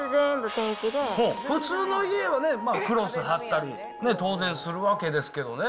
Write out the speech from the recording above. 普通の家はね、クロス貼ったり、当然するわけですけどね。